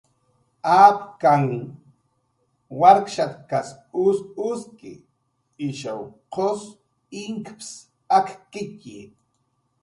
Apkanh warkshatkas us uski, ishaw qus inkps akkitxi